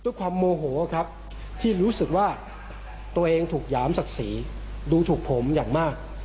ด้วยความโมโหครับที่รู้สึกว่าตัวเองถูกหยามศักดิ์ศรีดูถูกผมอย่างมาก